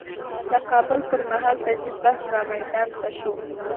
تقابل پر مهال تجدید بحث رامیدان ته شو.